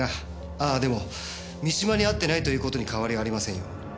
ああでも三島に会ってないということに変わりありませんよ。